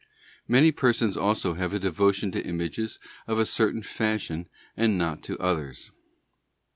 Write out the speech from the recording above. Many persons also have a devotion to images of a certain fashion and not to others.